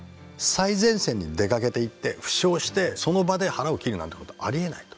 最前線に出かけていって負傷してその場で腹を切るなんてことはありえないと。